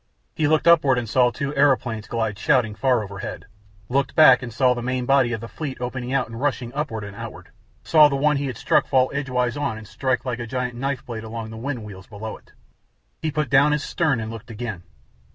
He looked upward and saw two aeroplanes glide shouting far overhead, looked back, and saw the main body of the fleet opening out and rushing upward and outward; saw the one he had struck fall edgewise on and strike like a gigantic knife blade along the wind wheels below it. He put down his stern and looked again.